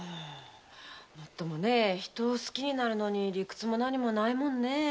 もっとも人を好きになるのに理屈も何もないものねぇ。